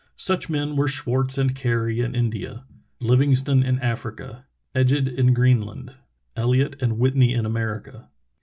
Such men were Schwarz and Carey, in India; Livingstone, in Africa; Egede, in Green land; Eliot and Whitney, in America.